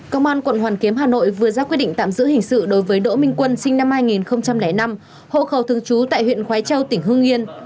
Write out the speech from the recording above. công an quận hoàn kiếm hà nội vừa ra quyết định tạm giữ hình sự đối với đỗ minh quân sinh năm hai nghìn năm hộ khẩu thường trú tại huyện khói châu tỉnh hương yên